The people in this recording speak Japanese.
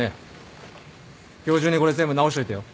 今日中にこれ全部直しといてよ。